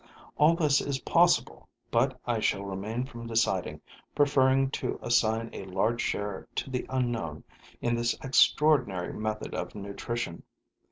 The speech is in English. All this is possible, but I shall refrain from deciding, preferring to assign a large share to the unknown in this extraordinary method of nutrition.